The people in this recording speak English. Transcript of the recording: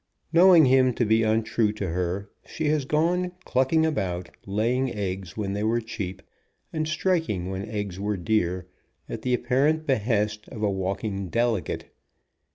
Knowing him to be untrue to her, she has gone clucking about, laying eggs when they were cheap, and striking when eggs were dear, at the apparent behest of a walking delegate.